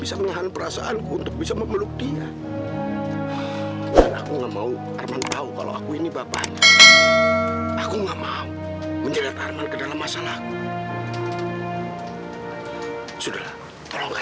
sampai jumpa di video selanjutnya